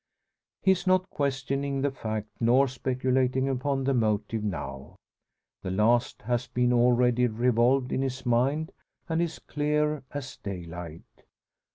He is not questioning the fact, nor speculating upon the motive now. The last has been already revolved in his mind, and is clear as daylight.